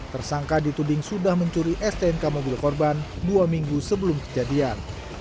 tersangka dituding sudah mencuri stnk mobil korban dua minggu sebelum kejadian